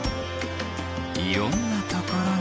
いろんなところに。